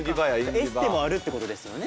エステもあるって事ですよね。